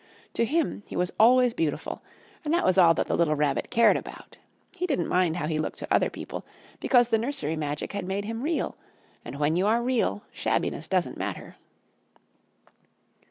To him he was always beautiful, and that was all that the little Rabbit cared about. He didn't mind how he looked to other people, because the nursery magic had made him Real, and when you are Real shabbiness doesn't matter.